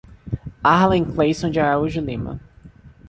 Arlen Cleisson de Araújo Lima